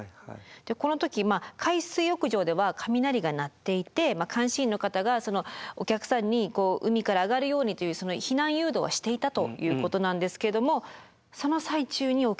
この時海水浴場では雷が鳴っていて監視員の方がお客さんに海からあがるようにという避難誘導はしていたということなんですけれどもその最中に起きてしまったと。